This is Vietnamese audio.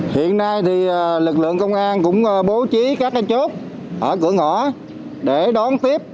hiện nay thì lực lượng công an cũng bố trí các cái chốt ở cửa ngõ để đón tiếp